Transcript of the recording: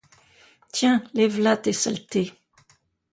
Tiens! les v’là, tes saletés !...